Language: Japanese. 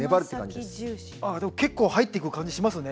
でも結構入っていく感じしますね。